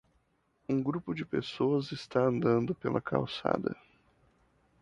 Um grupo de pessoas está andando pela calçada.